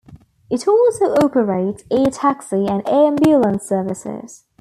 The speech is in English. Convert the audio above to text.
It also operates air taxi and air ambulance services.